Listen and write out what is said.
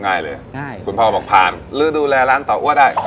ง่ายเลยคุณพ่อบอกผ่านหรือดูแลร้านต่ออ้วได้